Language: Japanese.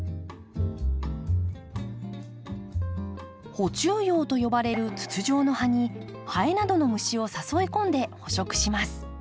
捕虫葉と呼ばれる筒状の葉にハエなどの虫を誘い込んで捕食します。